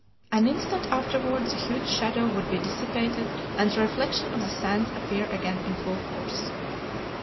An instant afterward the huge shadow would be dissipated, and the reflection of the sands appear again in full force.